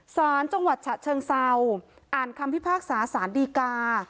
สารจังหวัดฉะเชิงเซาอ่านคำพิพากษาสารดีกา